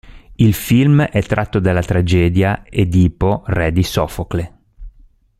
Il film è tratto dalla tragedia "Edipo re" di Sofocle.